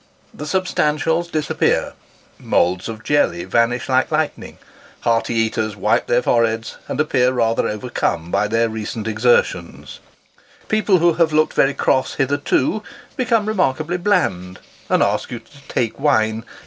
The substantial disappear moulds of jelly vanish like lightning hearty eaters wipe their foreheads, and appear rather overcome by their recent exertions people who have looked very cross hitherto, become remarkably bland, and ask you to take wine in Silence for the Chair!